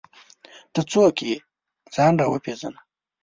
ته څوک یې ؟ ځان راوپېژنه!